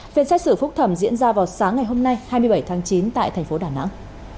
phiên xét xử phúc thẩm diễn ra vào sáng ngày hôm nay hai mươi bảy tháng chín tại thành phố đà nẵng